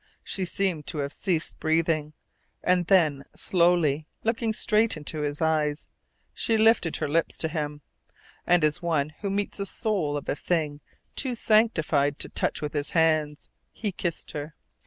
She seemed to have ceased breathing, and then, slowly, looking straight into his eyes, she lifted her lips to him, and as one who meets a soul of a thing too sanctified to touch with hands, he kissed her.